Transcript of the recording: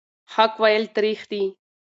حق ویل تریخ دي.